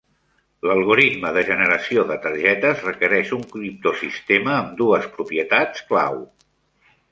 L'algoritme de generació de targetes requereix un criptosistema amb dues propietats clau.